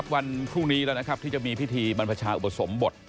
วันพรุ่งนี้แล้วนะครับที่จะมีพิธีบรรพชาอุปสมบท